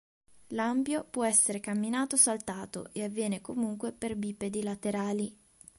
L'ambio può essere camminato o saltato e avviene comunque per bipedi laterali.